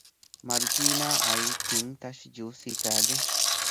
މަރުޖީނާ އައީ ތިން ތަށި ޖޫސް ހިފައިގެން